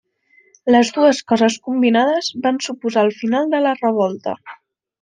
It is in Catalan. Les dues coses combinades van suposar el final de la revolta.